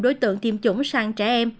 đối tượng tiêm chủng sang trẻ em